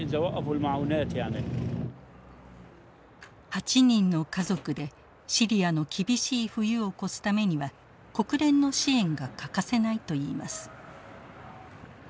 ８人の家族でシリアの厳しい冬を越すためには国連の支援が欠かせないといいます。